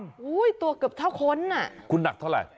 ทรูวตัวกับเท่าคนน่ะคุณนักเท่าไร